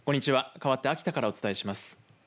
かわって秋田からお伝えします。